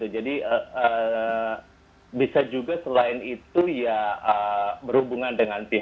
jadi bisa juga selain itu ya berhubungan dengan pemerintah